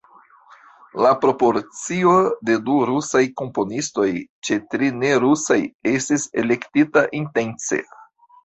La proporcio de du rusaj komponistoj ĉe tri ne-rusaj estis elektita intence.